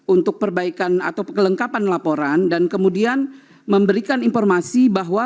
untuk perbaikan atau kelengkapan laporan dan kemudian memberikan informasi bahwa